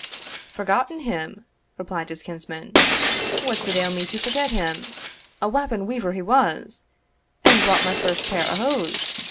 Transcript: "Forgotten him!" replied his kinsman "what suld ail me to forget him? a wapping weaver he was, and wrought my first pair o' hose.